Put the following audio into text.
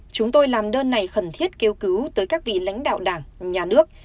chúng tôi làm đơn này khẩn thiết kêu cứu tới các vị lãnh đạo đảng nhà nước